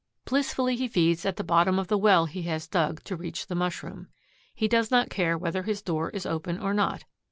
Blissfully he feeds at the bottom of the well he has dug to reach the mushroom. He does not care whether his door is open or not.